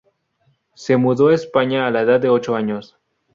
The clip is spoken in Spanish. Se mudó a España a la edad de ocho años.